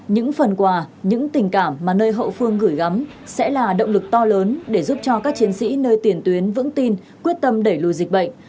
những phần quà những tình cảm mà nơi hậu phương gửi gắm sẽ là động lực to lớn để giúp cho các chiến sĩ nơi tiền tuyến vững tin quyết tâm đẩy lùi dịch bệnh